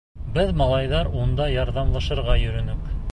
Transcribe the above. Беҙ, малайҙар, унда ярҙамлашырға йөрөнөк.